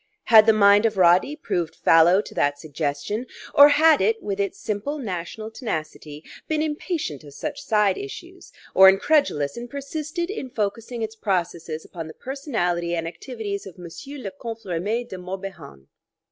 Had the mind of Roddy proved fallow to that suggestion, or had it, with its simple national tenacity, been impatient of such side issues, or incredulous, and persisted in focusing its processes upon the personality and activities of Monsieur le Comte Remy de Morbihan?